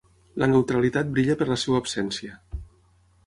La neutralitat ‘brilla per la seva absència’